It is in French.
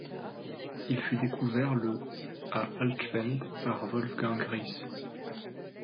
Il fut découvert le à Altschwendt par Wolfgang Ries.